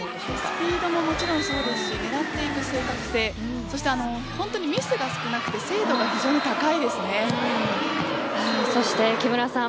スピードももちろんそうですし狙っていく正確性そして本当にミスが少なくてそして木村さん